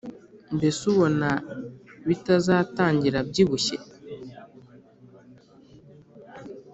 mbese ubona bitazatangira abyibushye